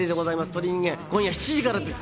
鳥人間、今夜７時からです。